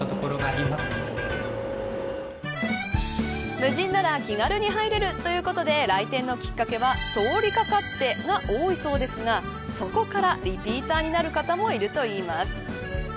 無人なら気軽に入れるということで、来店のきっかけは通りかかって、が多いそうですがそこからリピーターになる方もいるといいます。